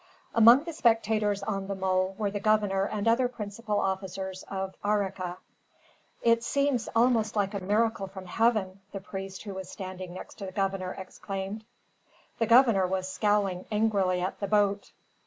Among the spectators on the mole were the governor and other principal officers of Arica. "It seems almost like a miracle from heaven," the priest, who was standing next the governor, exclaimed. The governor was scowling angrily at the boat.